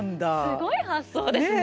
すごい発想ですね。